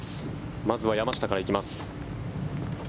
まずは山下から行きます。